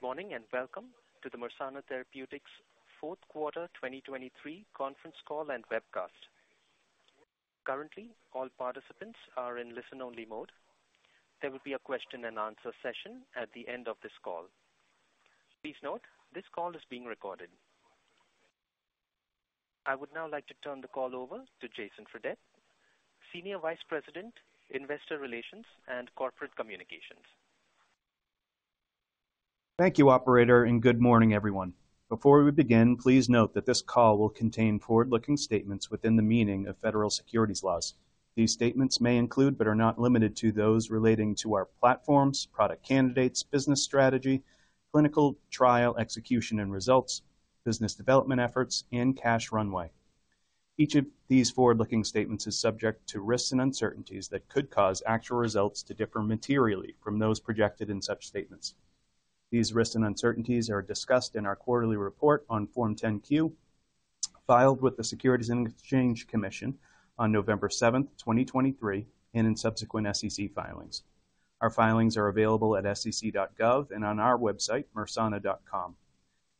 Good morning and welcome to the Mersana Therapeutics fourth quarter 2023 conference call and webcast. Currently, all participants are in listen-only mode. There will be a question-and-answer session at the end of this call. Please note, this call is being recorded. I would now like to turn the call over to Jason Fredette, Senior Vice President, Investor Relations and Corporate Communications. Thank you, Operator, and good morning, everyone. Before we begin, please note that this call will contain forward-looking statements within the meaning of federal securities laws. These statements may include but are not limited to those relating to our platforms, product candidates, business strategy, clinical trial execution and results, business development efforts, and cash runway. Each of these forward-looking statements is subject to risks and uncertainties that could cause actual results to differ materially from those projected in such statements. These risks and uncertainties are discussed in our quarterly report on Form 10-Q, filed with the U.S. Securities and Exchange Commission on November 7, 2023, and in subsequent SEC filings. Our filings are available at sec.gov and on our website, mersana.com.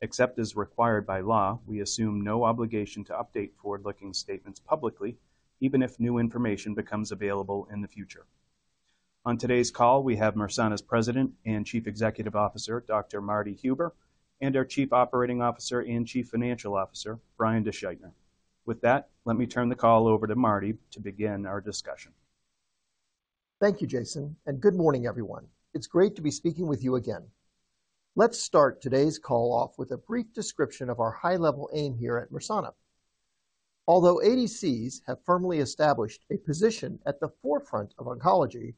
Except as required by law, we assume no obligation to update forward-looking statements publicly, even if new information becomes available in the future. On today's call, we have Mersana's President and Chief Executive Officer, Dr. Marty Huber, and our Chief Operating Officer and Chief Financial Officer, Brian DeSchuytner. With that, let me turn the call over to Marty to begin our discussion. Thank you, Jason, and good morning, everyone. It's great to be speaking with you again. Let's start today's call off with a brief description of our high-level aim here at Mersana. Although ADCs have firmly established a position at the forefront of oncology,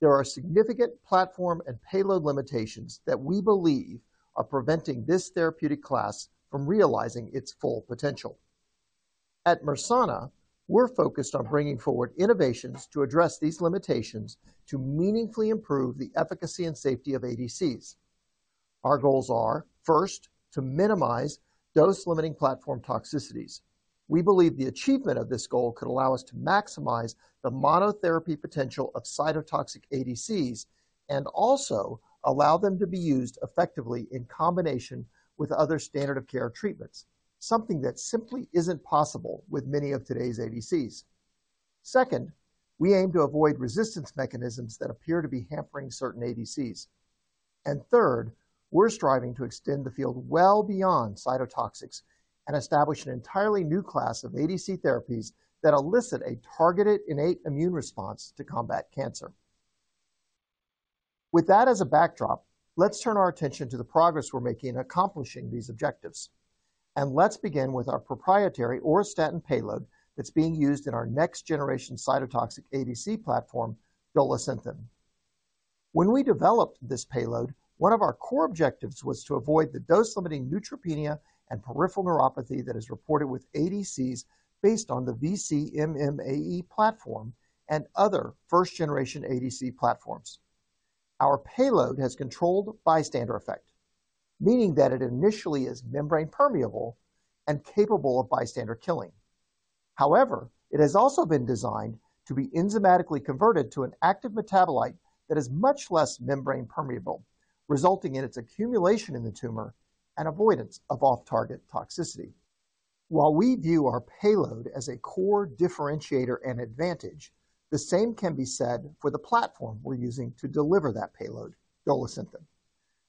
there are significant platform and payload limitations that we believe are preventing this therapeutic class from realizing its full potential. At Mersana, we're focused on bringing forward innovations to address these limitations to meaningfully improve the efficacy and safety of ADCs. Our goals are, first, to minimize dose-limiting platform toxicities. We believe the achievement of this goal could allow us to maximize the monotherapy potential of cytotoxic ADCs and also allow them to be used effectively in combination with other standard-of-care treatments, something that simply isn't possible with many of today's ADCs. Second, we aim to avoid resistance mechanisms that appear to be hampering certain ADCs. Third, we're striving to extend the field well beyond cytotoxics and establish an entirely new class of ADC therapies that elicit a targeted innate immune response to combat cancer. With that as a backdrop, let's turn our attention to the progress we're making accomplishing these objectives. Let's begin with our proprietary auristatin payload that's being used in our next-generation cytotoxic ADC platform, Dolasynthen. When we developed this payload, one of our core objectives was to avoid the dose-limiting neutropenia and peripheral neuropathy that is reported with ADCs based on the vcMMAE platform and other first-generation ADC platforms. Our payload has controlled bystander effect, meaning that it initially is membrane-permeable and capable of bystander killing. However, it has also been designed to be enzymatically converted to an active metabolite that is much less membrane-permeable, resulting in its accumulation in the tumor and avoidance of off-target toxicity. While we view our payload as a core differentiator and advantage, the same can be said for the platform we're using to deliver that payload, Dolasynthen.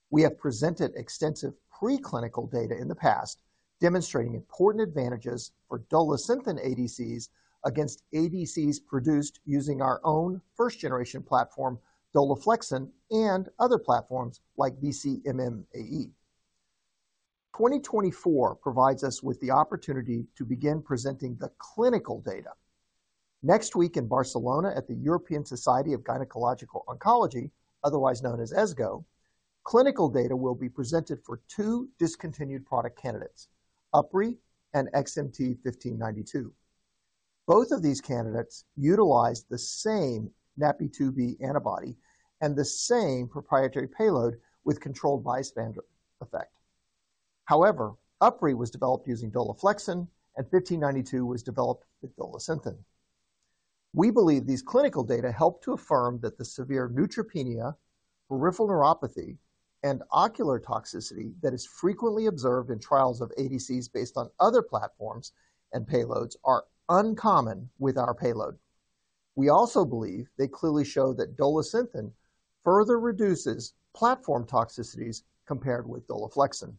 We have presented extensive preclinical data in the past demonstrating important advantages for Dolasynthen ADCs against ADCs produced using our own first-generation platform, Dolaflexin, and other platforms like vcMMAE. 2024 provides us with the opportunity to begin presenting the clinical data. Next week in Barcelona at the European Society of Gynaecological Oncology, otherwise known as ESGO, clinical data will be presented for two discontinued product candidates, UpRi and XMT-1592. Both of these candidates utilized the same NaPi2b antibody and the same proprietary payload with controlled bystander effect. However, UpRi was developed using Dolaflexin, and 1592 was developed with Dolasynthen. We believe these clinical data help to affirm that the severe neutropenia, peripheral neuropathy, and ocular toxicity that is frequently observed in trials of ADCs based on other platforms and payloads are uncommon with our payload. We also believe they clearly show that Dolasynthen further reduces platform toxicities compared with Dolaflexin.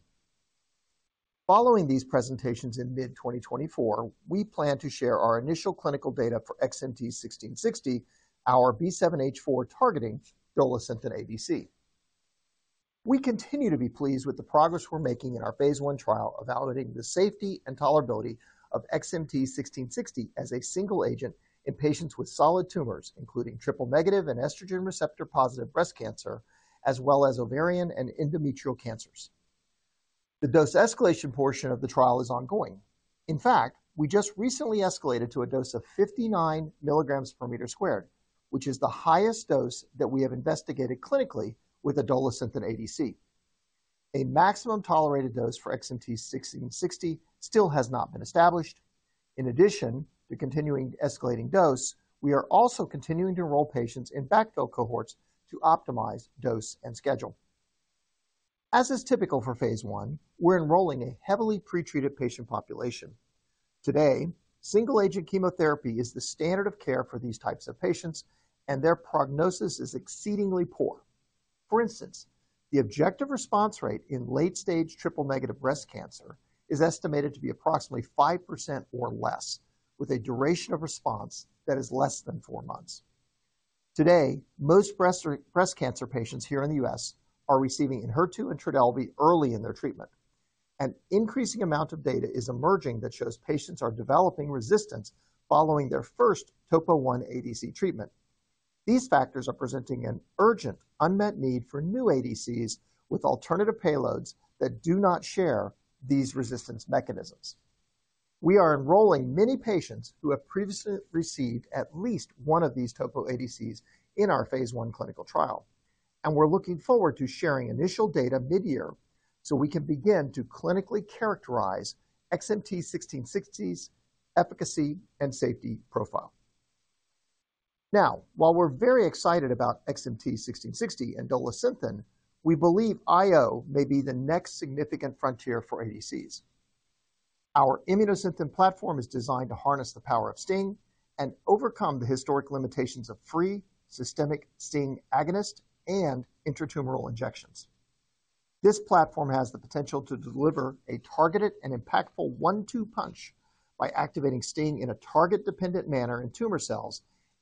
Following these presentations in mid-2024, we plan to share our initial clinical data for XMT-1660, our B7-H4 targeting Dolasynthen ADC. We continue to be pleased with the progress we're making in our phase I trial evaluating the safety and tolerability of XMT-1660 as a single agent in patients with solid tumors, including triple-negative and estrogen receptor-positive breast cancer, as well as ovarian and endometrial cancers. The dose escalation portion of the trial is ongoing. In fact, we just recently escalated to a dose of 59 mg/m², which is the highest dose that we have investigated clinically with a Dolasynthen ADC. A maximum tolerated dose for XMT-1660 still has not been established. In addition to continuing escalating dose, we are also continuing to enroll patients in backfill cohorts to optimize dose and schedule. As is typical for phase I, we're enrolling a heavily pretreated patient population. Today, single-agent chemotherapy is the standard of care for these types of patients, and their prognosis is exceedingly poor. For instance, the objective response rate in late-stage triple-negative breast cancer is estimated to be approximately 5% or less, with a duration of response that is less than four months. Today, most breast cancer patients here in the U.S. are receiving Enhertu and Trodelvy early in their treatment. An increasing amount of data is emerging that shows patients are developing resistance following their first Topo1 ADC treatment. These factors are presenting an urgent, unmet need for new ADCs with alternative payloads that do not share these resistance mechanisms. We are enrolling many patients who have previously received at least one of these Topo ADCs in our phase I clinical trial. We're looking forward to sharing initial data mid-year so we can begin to clinically characterize XMT-1660's efficacy and safety profile. Now, while we're very excited about XMT-1660 and Dolasynthen, we believe I/O may be the next significant frontier for ADCs. Our Immunosynthen platform is designed to harness the power of STING and overcome the historic limitations of free, systemic STING agonist and intratumoral injections. This platform has the potential to deliver a targeted and impactful one-two punch by activating STING in a target-dependent manner in tumor cells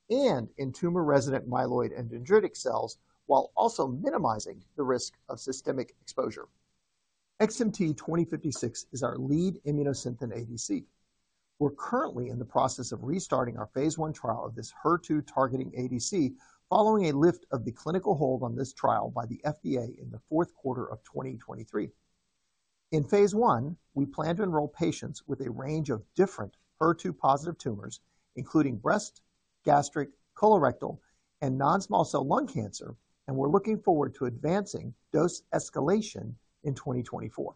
and in tumor-resident myeloid and dendritic cells, while also minimizing the risk of systemic exposure. XMT-2056 is our lead Immunosynthen ADC. We're currently in the process of restarting our phase I trial of this HER2-targeting ADC following a lift of the clinical hold on this trial by the FDA in the fourth quarter of 2023. In phase I, we plan to enroll patients with a range of different HER2-positive tumors, including breast, gastric, colorectal, and non-small cell lung cancer, and we're looking forward to advancing dose escalation in 2024.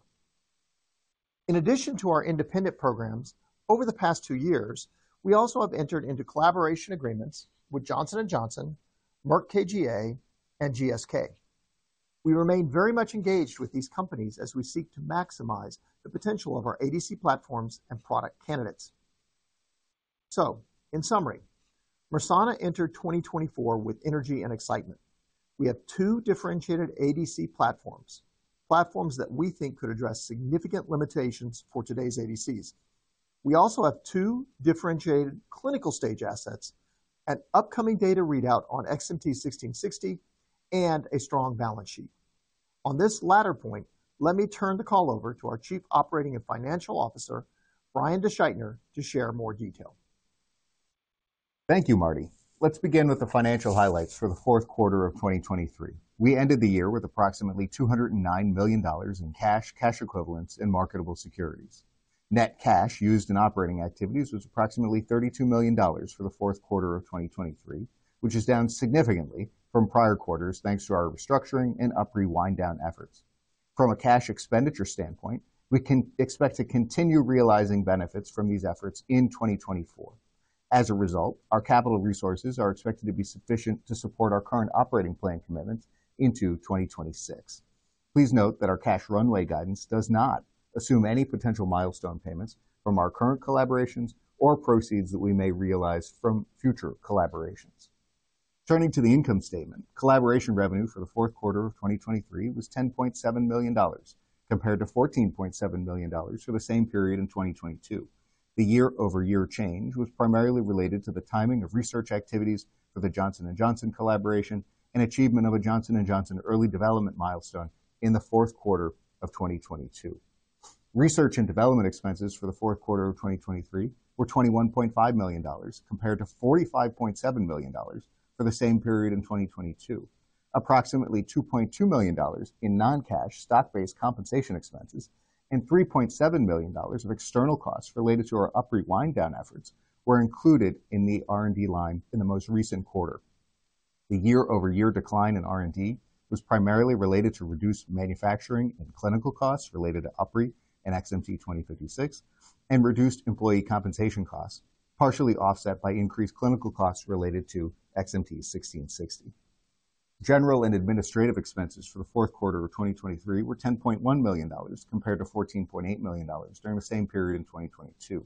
In addition to our independent programs, over the past two years, we also have entered into collaboration agreements with Johnson & Johnson, Merck KGaA, and GSK. We remain very much engaged with these companies as we seek to maximize the potential of our ADC platforms and product candidates. In summary, Mersana entered 2024 with energy and excitement. We have two differentiated ADC platforms, platforms that we think could address significant limitations for today's ADCs. We also have two differentiated clinical stage assets, an upcoming data readout on XMT-1660, and a strong balance sheet. On this latter point, let me turn the call over to our Chief Operating and Financial Officer, Brian DeSchuytner, to share more detail. Thank you, Marty. Let's begin with the financial highlights for the fourth quarter of 2023. We ended the year with approximately $209 million in cash, cash equivalents, and marketable securities. Net cash used in operating activities was approximately $32 million for the fourth quarter of 2023, which is down significantly from prior quarters thanks to our restructuring and UpRi wind-down efforts. From a cash expenditure standpoint, we can expect to continue realizing benefits from these efforts in 2024. As a result, our capital resources are expected to be sufficient to support our current operating plan commitments into 2026. Please note that our cash runway guidance does not assume any potential milestone payments from our current collaborations or proceeds that we may realize from future collaborations. Turning to the income statement, collaboration revenue for the fourth quarter of 2023 was $10.7 million, compared to $14.7 million for the same period in 2022. The year-over-year change was primarily related to the timing of research activities for the Johnson & Johnson collaboration and achievement of a Johnson & Johnson early development milestone in the fourth quarter of 2022. Research and development expenses for the fourth quarter of 2023 were $21.5 million, compared to $45.7 million for the same period in 2022. Approximately $2.2 million in non-cash, stock-based compensation expenses, and $3.7 million of external costs related to our UpRi wind-down efforts were included in the R&D line in the most recent quarter. The year-over-year decline in R&D was primarily related to reduced manufacturing and clinical costs related to UpRi and XMT-2056, and reduced employee compensation costs, partially offset by increased clinical costs related to XMT-1660. General and administrative expenses for the fourth quarter of 2023 were $10.1 million, compared to $14.8 million during the same period in 2022.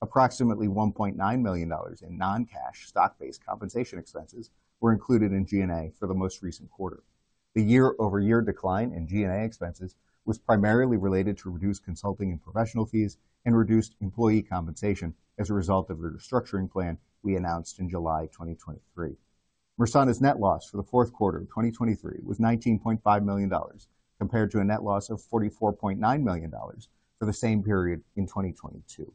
Approximately $1.9 million in non-cash, stock-based compensation expenses were included in G&A for the most recent quarter. The year-over-year decline in G&A expenses was primarily related to reduced consulting and professional fees and reduced employee compensation as a result of the restructuring plan we announced in July 2023. Mersana's net loss for the fourth quarter of 2023 was $19.5 million, compared to a net loss of $44.9 million for the same period in 2022.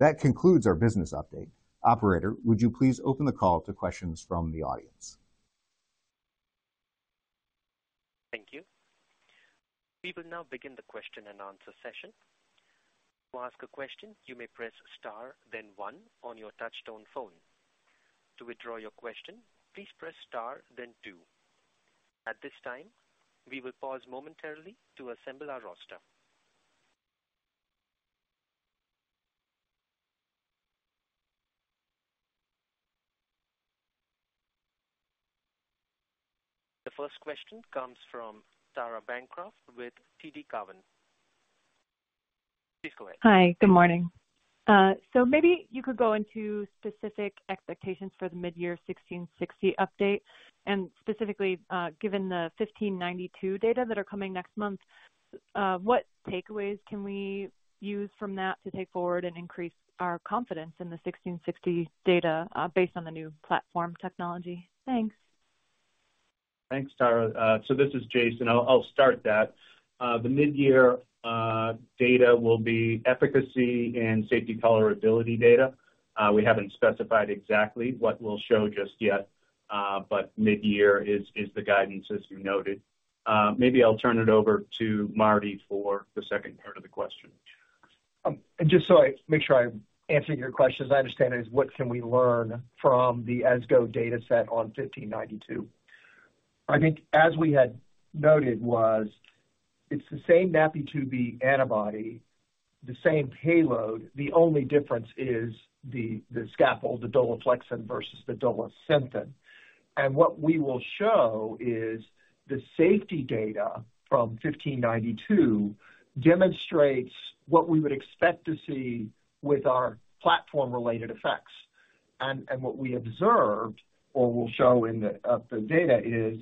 That concludes our business update. Operator, would you please open the call to questions from the audience? Thank you. We will now begin the question-and-answer session. To ask a question, you may press star, then one, on your touch-tone phone. To withdraw your question, please press star, then two. At this time, we will pause momentarily to assemble our roster. The first question comes from Tara Bancroft with TD Cowen. Please go ahead. Hi. Good morning. Maybe you could go into specific expectations for the mid-year 1660 update. Specifically, given the 1592 data that are coming next month, what takeaways can we use from that to take forward and increase our confidence in the 1660 data based on the new platform technology? Thanks. Thanks, Tara. So this is Jason. I'll start that. The mid-year data will be efficacy and safety tolerability data. We haven't specified exactly what we'll show just yet, but mid-year is the guidance, as you noted. Maybe I'll turn it over to Marty for the second part of the question. And just so I make sure I'm answering your questions, I understand it as what can we learn from the ESGO dataset on 1592. I think, as we had noted, was it's the same NaPi2b antibody, the same payload. The only difference is the scaffold, the Dolaflexin versus the Dolasynthen. And what we will show is the safety data from 1592 demonstrates what we would expect to see with our platform-related effects. And what we observed, or we'll show in the data, is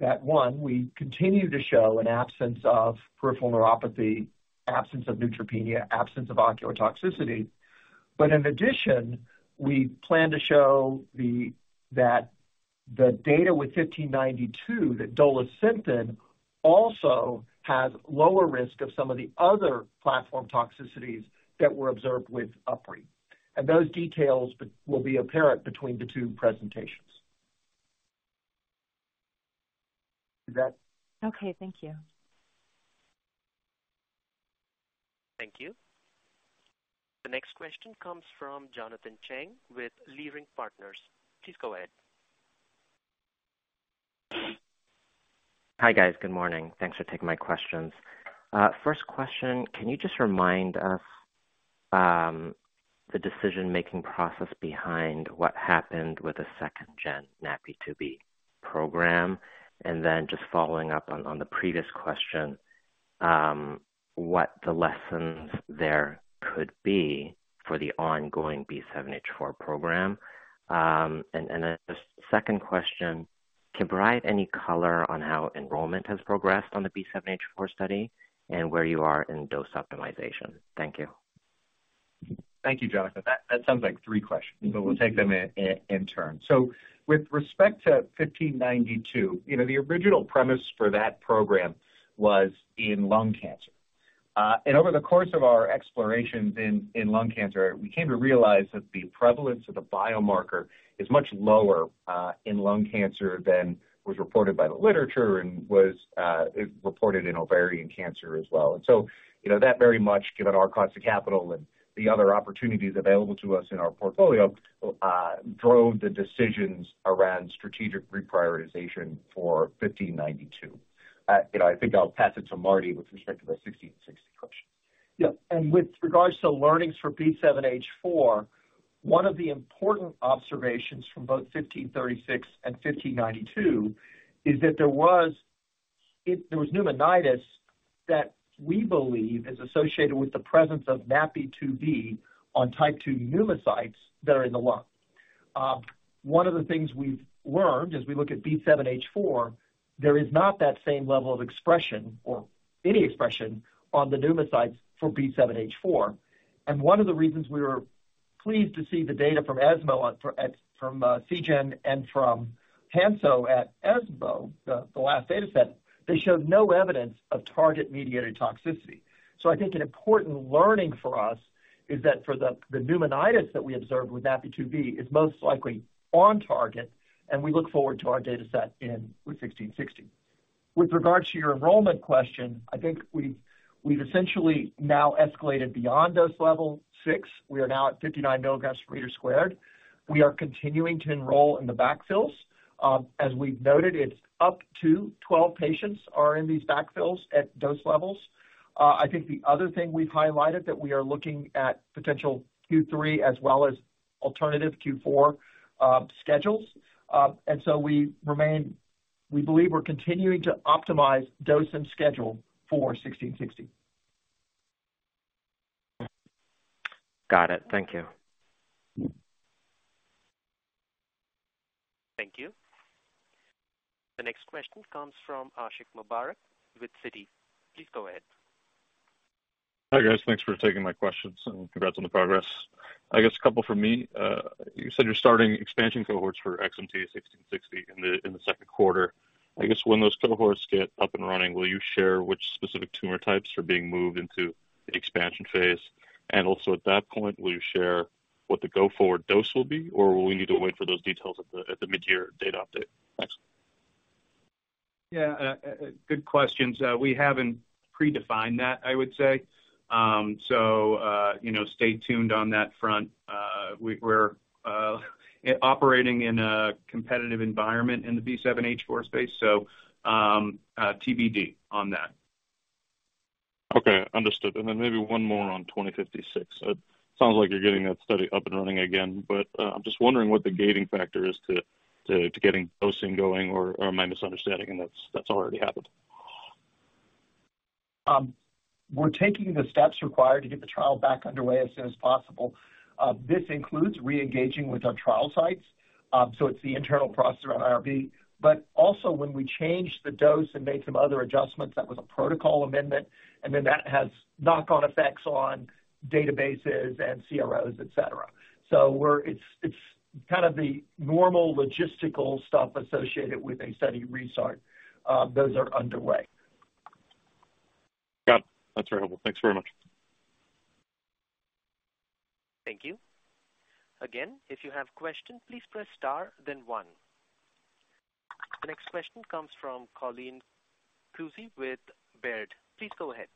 that, one, we continue to show an absence of peripheral neuropathy, absence of neutropenia, absence of ocular toxicity. But in addition, we plan to show that the data with 1592, that Dolasynthen, also has lower risk of some of the other platform toxicities that were observed with UpRi. And those details will be apparent between the two presentations. Is that? Okay. Thank you. Thank you. The next question comes from Jonathan Chang with Leerink Partners. Please go ahead. Hi, guys. Good morning. Thanks for taking my questions. First question, can you just remind us the decision-making process behind what happened with the second-gen NaPi2b program? And then just following up on the previous question, what the lessons there could be for the ongoing B7-H4 program. And then just second question, can provide any color on how enrollment has progressed on the B7-H4 study and where you are in dose optimization? Thank you. Thank you, Jonathan. That sounds like three questions, but we'll take them in turn. So with respect to 1592, the original premise for that program was in lung cancer. And over the course of our explorations in lung cancer, we came to realize that the prevalence of the biomarker is much lower in lung cancer than was reported by the literature and was reported in ovarian cancer as well. And so that very much, given our cost of capital and the other opportunities available to us in our portfolio, drove the decisions around strategic reprioritization for 1592. I think I'll pass it to Marty with respect to the 1660 question. Yeah. And with regards to learnings for B7-H4, one of the important observations from both 1536 and 1592 is that there was pneumonitis that we believe is associated with the presence of NaPi2b on type 2 pneumocytes that are in the lung. One of the things we've learned as we look at B7-H4, there is not that same level of expression or any expression on the pneumocytes for B7-H4. And one of the reasons we were pleased to see the data from ESMO, from Seagen, and from Hansoh at ESMO, the last dataset, they showed no evidence of target-mediated toxicity. So I think an important learning for us is that for the pneumonitis that we observed with NaPi2b, it's most likely on target, and we look forward to our dataset with 1660. With regards to your enrollment question, I think we've essentially now escalated beyond dose level 6. We are now at 59 mg/m². We are continuing to enroll in the backfills. As we've noted, it's up to 12 patients who are in these backfills at dose levels. I think the other thing we've highlighted that we are looking at potential Q3 as well as alternative Q4 schedules. And so we believe we're continuing to optimize dose and schedule for 1660. Got it. Thank you. Thank you. The next question comes from Ashiq Mubarack with Citi. Please go ahead. Hi, guys. Thanks for taking my questions, and congrats on the progress. I guess a couple from me. You said you're starting expansion cohorts for XMT-1660 in the second quarter. I guess when those cohorts get up and running, will you share which specific tumor types are being moved into the expansion phase? And also at that point, will you share what the go-forward dose will be, or will we need to wait for those details at the mid-year data update? Thanks. Yeah. Good questions. We haven't predefined that, I would say. So stay tuned on that front. We're operating in a competitive environment in the B7-H4 space, so TBD on that. Okay. Understood. And then maybe one more on 2056. It sounds like you're getting that study up and running again, but I'm just wondering what the gating factor is to getting dosing going, or am I misunderstanding? And that's already happened. We're taking the steps required to get the trial back underway as soon as possible. This includes re-engaging with our trial sites. So it's the internal process around IRB. But also when we changed the dose and made some other adjustments, that was a protocol amendment, and then that has knock-on effects on databases and CROs, etc. So it's kind of the normal logistical stuff associated with a study restart. Those are underway. Got it. That's very helpful. Thanks very much. Thank you. Again, if you have questions, please press star, then one. The next question comes from Colleen Kusy with Baird. Please go ahead.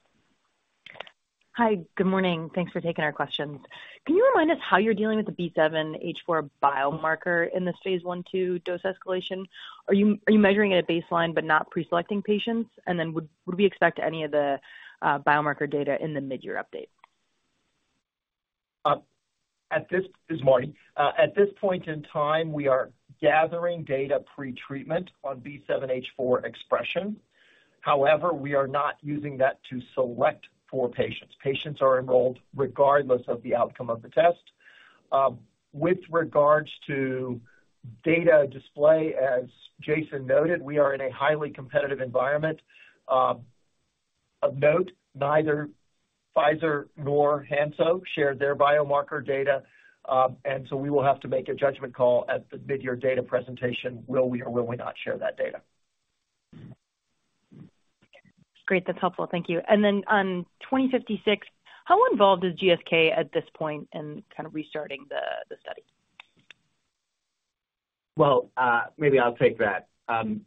Hi. Good morning. Thanks for taking our questions. Can you remind us how you're dealing with the B7-H4 biomarker in this phase I-2 dose escalation? Are you measuring at a baseline but not preselecting patients? And then would we expect any of the biomarker data in the mid-year update? This is Marty. At this point in time, we are gathering data pretreatment on B7-H4 expression. However, we are not using that to select for patients. Patients are enrolled regardless of the outcome of the test. With regards to data display, as Jason noted, we are in a highly competitive environment. Of note, neither Pfizer nor Hansoh shared their biomarker data. And so we will have to make a judgment call at the mid-year data presentation, will we or will we not share that data? Great. That's helpful. Thank you. And then on 2056, how involved is GSK at this point in kind of restarting the study? Well, maybe I'll take that.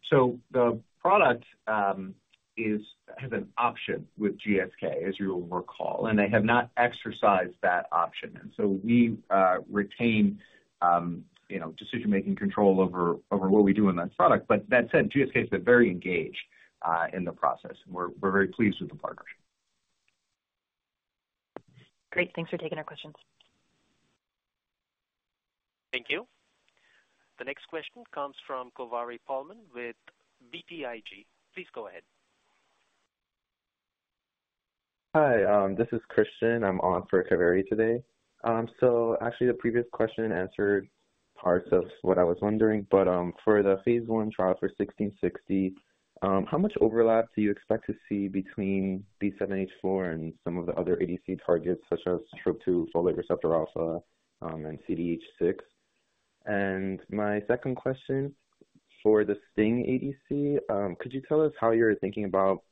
So the product has an option with GSK, as you will recall, and they have not exercised that option. And so we retain decision-making control over what we do in that product. But that said, GSK has been very engaged in the process, and we're very pleased with the partnership. Great. Thanks for taking our questions. Thank you. The next question comes from Kaveri Pohlman with BTIG. Please go ahead. Hi. This is Christian. I'm on for Kaveri today. So actually, the previous question answered parts of what I was wondering. But for the phase I trial for 1660, how much overlap do you expect to see between B7-H4 and some of the other ADC targets such as TROP-2, folate receptor alpha, and CDH6? And my second question, for the STING ADC, could you tell us how you're thinking about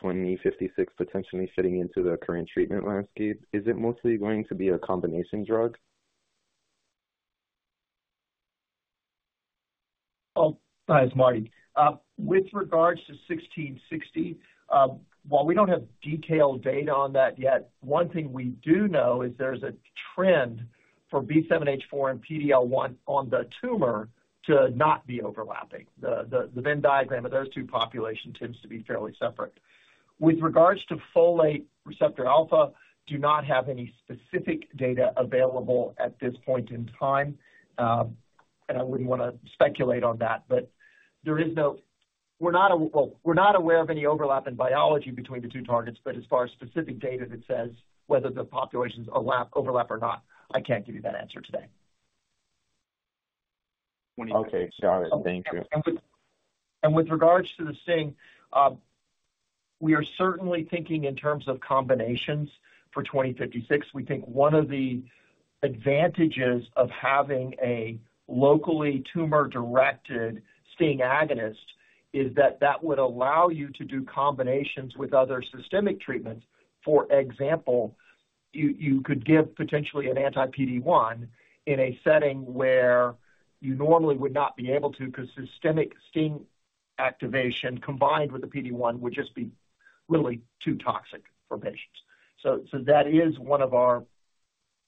2056 potentially fitting into the current treatment landscape? Is it mostly going to be a combination drug? Hi. It's Marty. With regards to 1660, while we don't have detailed data on that yet, one thing we do know is there's a trend for B7-H4 and PD-L1 on the tumor to not be overlapping. The Venn diagram of those two populations tends to be fairly separate. With regards to folate receptor alpha, do not have any specific data available at this point in time. And I wouldn't want to speculate on that, but there is no, well, we're not aware of any overlap in biology between the two targets. But as far as specific data that says whether the populations overlap or not, I can't give you that answer today. Okay. Got it. Thank you. With regards to the STING, we are certainly thinking in terms of combinations for XMT-2056. We think one of the advantages of having a locally tumor-directed STING agonist is that that would allow you to do combinations with other systemic treatments. For example, you could give potentially an anti-PD-1 in a setting where you normally would not be able to because systemic STING activation combined with the PD-1 would just be literally too toxic for patients. So that is one of our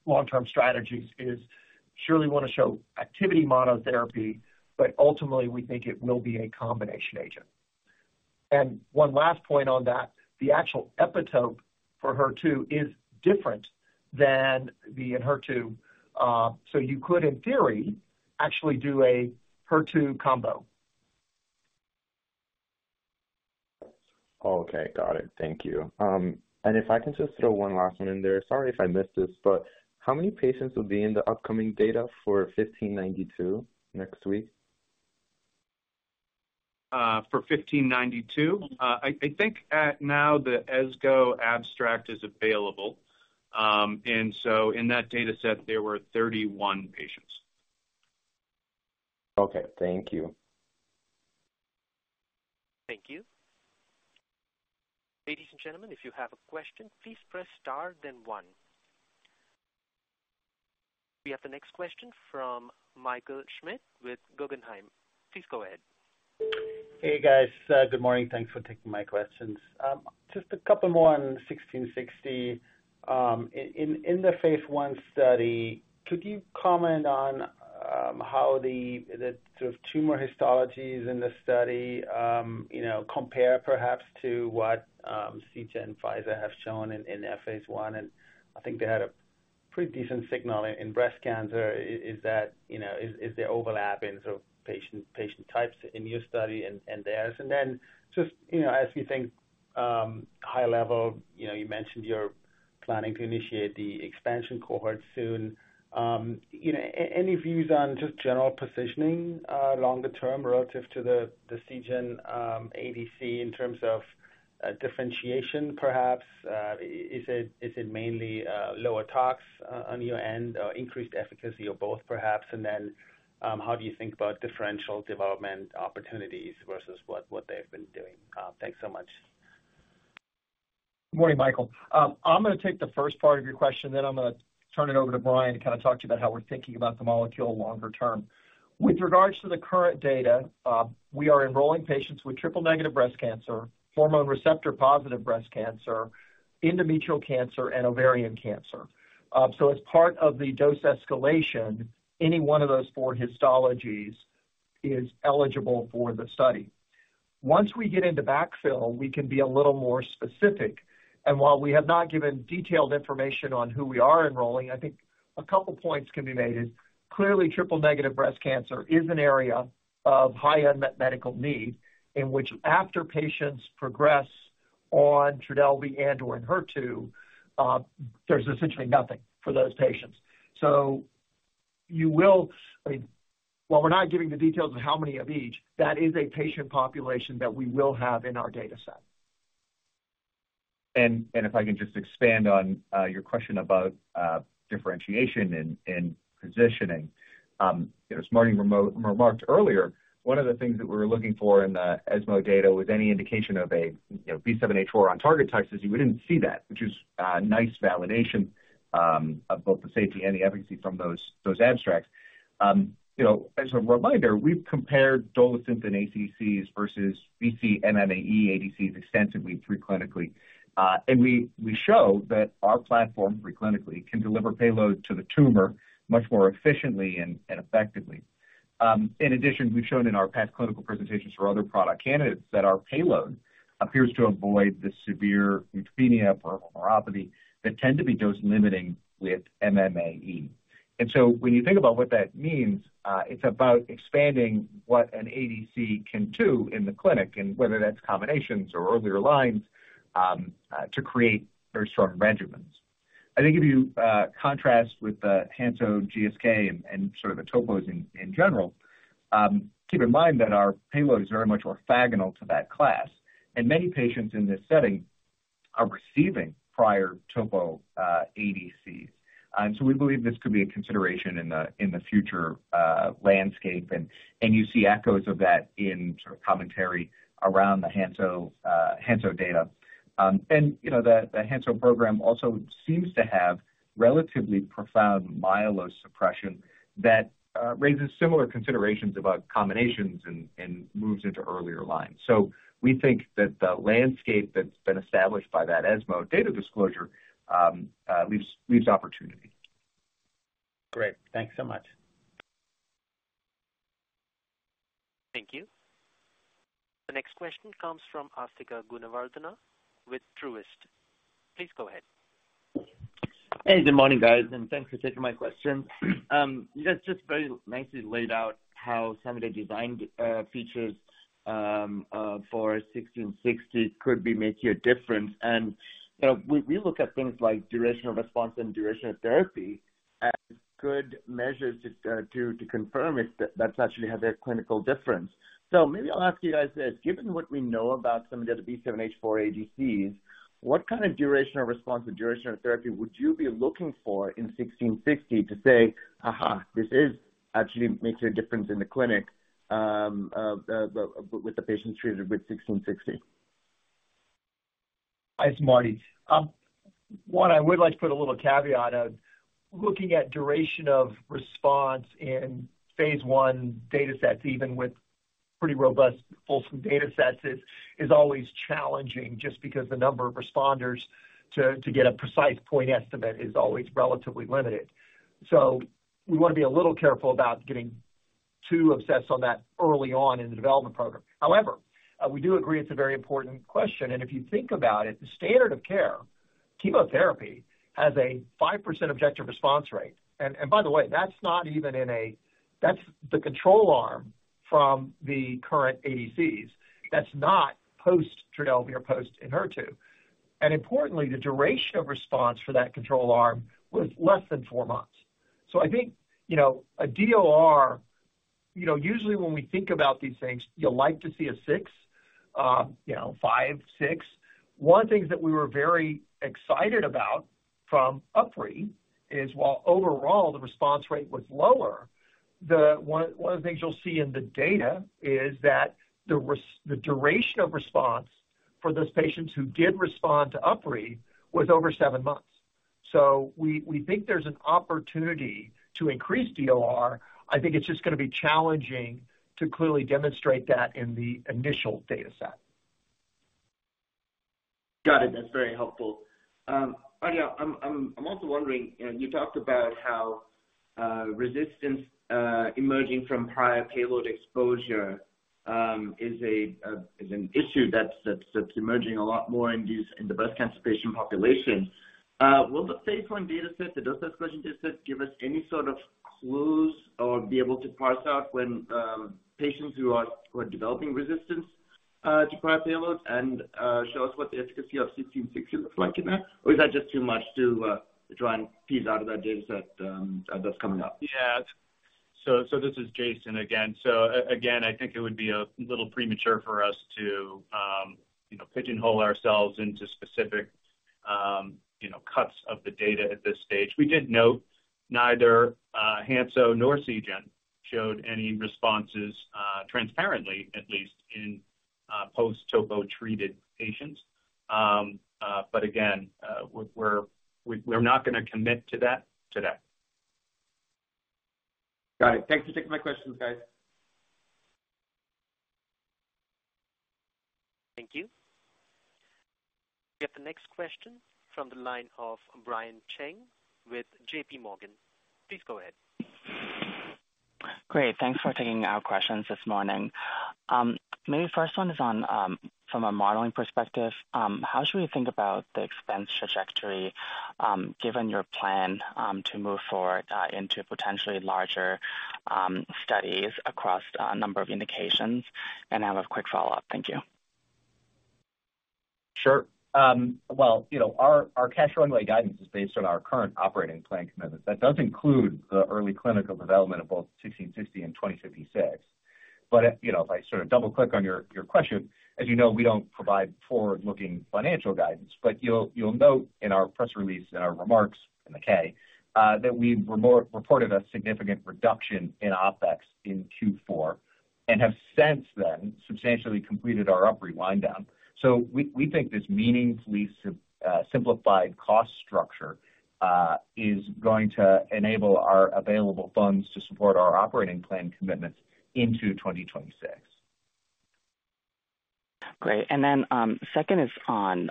long-term strategies, is surely want to show activity monotherapy, but ultimately, we think it will be a combination agent. And one last point on that, the actual epitope for HER2 is different than the in Enhertu. So you could, in theory, actually do a HER2 combo. Okay. Got it. Thank you. And if I can just throw one last one in there, sorry if I missed this, but how many patients will be in the upcoming data for 1592 next week? For XMT-1592, I think now the ESGO abstract is available. And so in that dataset, there were 31 patients. Okay. Thank you. Thank you. Ladies and gentlemen, if you have a question, please press star, then one. We have the next question from Michael Schmidt with Guggenheim. Please go ahead. Hey, guys. Good morning. Thanks for taking my questions. Just a couple more on 1660. In the phase I study, could you comment on how the sort of tumor histologies in the study compare, perhaps, to what Seagen and Pfizer have shown in their phase I? And I think they had a pretty decent signal in breast cancer. Is there overlap in sort of patient types in your study and theirs? And then just as we think high-level, you mentioned you're planning to initiate the expansion cohort soon. Any views on just general positioning longer-term relative to the Seagen ADC in terms of differentiation, perhaps? Is it mainly lower tox on your end or increased efficacy or both, perhaps? And then how do you think about differential development opportunities versus what they've been doing? Thanks so much. Good morning, Michael. I'm going to take the first part of your question, then I'm going to turn it over to Brian to kind of talk to you about how we're thinking about the molecule longer-term. With regards to the current data, we are enrolling patients with triple-negative breast cancer, hormone-receptor-positive breast cancer, endometrial cancer, and ovarian cancer. So as part of the dose escalation, any one of those four histologies is eligible for the study. Once we get into backfill, we can be a little more specific. And while we have not given detailed information on who we are enrolling, I think a couple of points can be made. Clearly, triple-negative breast cancer is an area of high unmet medical need in which, after patients progress on Trodelvy and/or Enhertu, there's essentially nothing for those patients. You will I mean, while we're not giving the details of how many of each, that is a patient population that we will have in our dataset. If I can just expand on your question about differentiation and positioning, as Marty remarked earlier, one of the things that we were looking for in the ESMO data was any indication of a B7-H4 on-target toxicity. We didn't see that, which is nice validation of both the safety and the efficacy from those abstracts. As a reminder, we've compared Dolasynthen ADCs versus vcMMAE ADCs extensively preclinically. We show that our platform preclinically can deliver payload to the tumor much more efficiently and effectively. In addition, we've shown in our past clinical presentations for other product candidates that our payload appears to avoid the severe leukopenia or neuropathy that tend to be dose-limiting with MMAE. So when you think about what that means, it's about expanding what an ADC can do in the clinic and whether that's combinations or earlier lines to create very strong regimens. I think if you contrast with the Hansoh GSK and sort of the Topos in general, keep in mind that our payload is very much orthogonal to that class. And many patients in this setting are receiving prior Topo ADCs. And so we believe this could be a consideration in the future landscape. And you see echoes of that in sort of commentary around the Hansoh data. And the Hansoh program also seems to have relatively profound myelosuppression that raises similar considerations about combinations and moves into earlier lines. So we think that the landscape that's been established by that ESMO data disclosure leaves opportunity. Great. Thanks so much. Thank you. The next question comes from Asthika Goonewardene with Truist. Please go ahead. Hey. Good morning, guys. And thanks for taking my questions. You guys just very nicely laid out how some of the design features for 1660 could be making a difference. And we look at things like durational response and durational therapy as good measures to confirm if that's actually had a clinical difference. So maybe I'll ask you guys this. Given what we know about some of the other B7-H4 ADCs, what kind of durational response or durational therapy would you be looking for in 1660 to say, Aha, this actually makes a difference in the clinic with the patients treated with 1660? Hi. It's Marty. What I would like to put a little caveat on, looking at duration of response in phase I datasets, even with pretty robust, full-screen datasets, is always challenging just because the number of responders to get a precise point estimate is always relatively limited. So we want to be a little careful about getting too obsessed on that early on in the development program. However, we do agree it's a very important question. And if you think about it, the standard of care, chemotherapy, has a 5% objective response rate. And by the way, that's not even in a that's the control arm from the current ADCs. That's not post-Trodelvy or post-Enhertu. And importantly, the duration of response for that control arm was less than four months. So I think a DOR usually, when we think about these things, you'll like to see a 6, 5, 6. One of the things that we were very excited about from UpRi is, while overall, the response rate was lower, one of the things you'll see in the data is that the duration of response for those patients who did respond to UpRi was over seven months. So we think there's an opportunity to increase DOR. I think it's just going to be challenging to clearly demonstrate that in the initial dataset. Got it. That's very helpful. Earlier, I'm also wondering, you talked about how resistance emerging from prior payload exposure is an issue that's emerging a lot more in the breast cancer patient population. Will the phase I dataset, the dose escalation dataset, give us any sort of clues or be able to parse out when patients who are developing resistance to prior payloads and show us what the efficacy of 1660 looks like in that? Or is that just too much to try and tease out of that dataset that's coming up? Yeah. So this is Jason again. So again, I think it would be a little premature for us to pigeonhole ourselves into specific cuts of the data at this stage. We did note neither Hansoh nor Seagen showed any responses transparently, at least in post-Topo treated patients. But again, we're not going to commit to that today. Got it. Thanks for taking my questions, guys. Thank you. We have the next question from the line of Brian Cheng with JPMorgan. Please go ahead. Great. Thanks for taking our questions this morning. Maybe the first one is from a modeling perspective. How should we think about the expense trajectory given your plan to move forward into potentially larger studies across a number of indications? And I have a quick follow-up. Thank you. Sure. Well, our cash runway guidance is based on our current operating plan commitments. That does include the early clinical development of both 1660 and 2056. But if I sort of double-click on your question, as you know, we don't provide forward-looking financial guidance. But you'll note in our press release, in our remarks, in the K, that we reported a significant reduction in OpEx in Q4 and have since then substantially completed our UpRi winddown. So we think this meaningfully simplified cost structure is going to enable our available funds to support our operating plan commitments into 2026. Great. And then second is on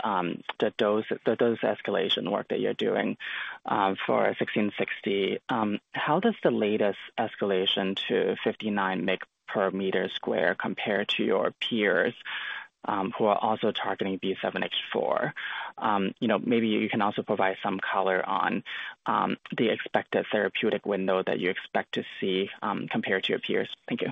the dose escalation work that you're doing for 1660. How does the latest escalation to 59 mg/m² compared to your peers who are also targeting B7-H4? Maybe you can also provide some color on the expected therapeutic window that you expect to see compared to your peers. Thank you.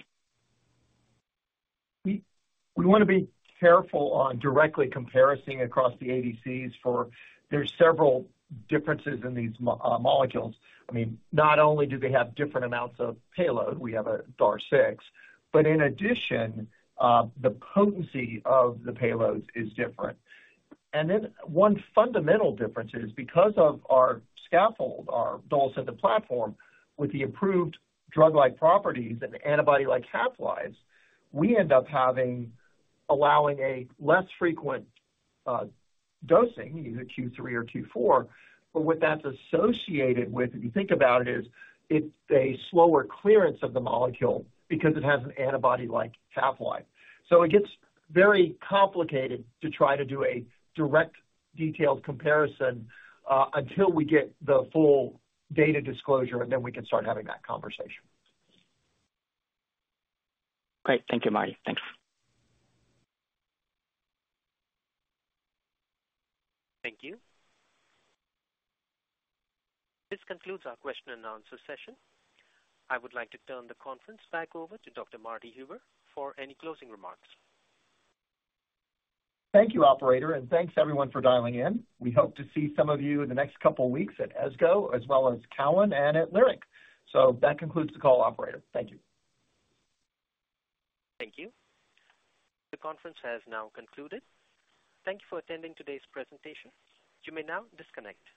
We want to be careful on directly comparing across the ADCs for there's several differences in these molecules. I mean, not only do they have different amounts of payload - we have a DAR6 - but in addition, the potency of the payloads is different. And then one fundamental difference is, because of our scaffold, our Dolasynthen platform, with the improved drug-like properties and antibody-like half-lives, we end up allowing a less frequent dosing, either Q3 or Q4. But what that's associated with, if you think about it, is a slower clearance of the molecule because it has an antibody-like half-life. So it gets very complicated to try to do a direct, detailed comparison until we get the full data disclosure, and then we can start having that conversation. Great. Thank you, Marty. Thanks. Thank you. This concludes our question-and-answer session. I would like to turn the conference back over to Dr. Marty Huber for any closing remarks. Thank you, operator. And thanks, everyone, for dialing in. We hope to see some of you in the next couple of weeks at ESGO as well as Cowen and at Leerink. So that concludes the call, operator. Thank you. Thank you. The conference has now concluded. Thank you for attending today's presentation. You may now disconnect.